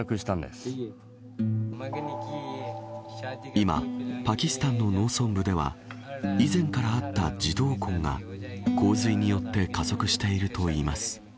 今、パキスタンの農村部では以前からあった児童婚が洪水によって加速しているといいます。